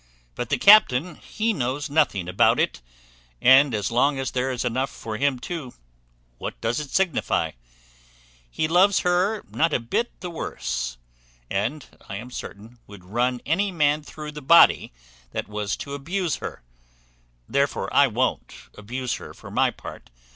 But the captain he knows nothing about it; and as long as there is enough for him too, what does it signify? He loves her not a bit the worse, and I am certain would run any man through the body that was to abuse her; therefore I won't abuse her, for my part.